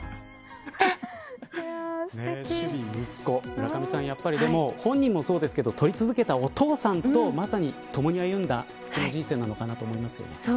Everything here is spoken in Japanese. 村上さん、本人もそうですけど撮り続けたお父さんとまさに共に歩んだ人生なのかなと思いますけどね。